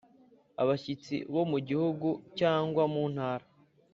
Abashyitsi bo mu gihugu cyangwa muntara